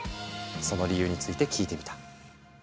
その理由について聞いてみた。